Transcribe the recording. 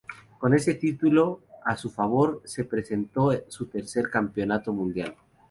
Con este título a su favor se presentó a su tercer campeonato mundial.